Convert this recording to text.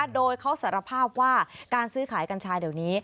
โดยเขาสารภาพว่าการซื้อขายกัญชาเดี๋ยวนี้